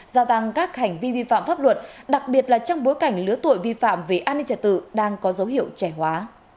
gia tăng các hành vi vi phạm pháp luật đặc biệt là trong bối cảnh lứa tuổi vi phạm về an ninh trả tự đang có dấu hiệu trẻ hóa